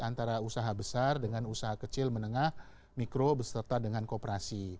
antara usaha besar dengan usaha kecil menengah mikro beserta dengan kooperasi